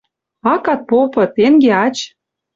Акат попы, тенге ач!